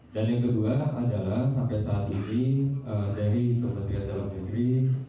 dan yang kedua adalah sampai saat ini dari kepertian jawa negeri